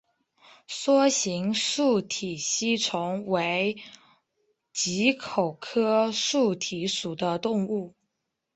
梭形坚体吸虫为棘口科坚体属的动物。